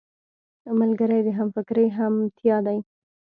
ملګری د همفکرۍ همتيا دی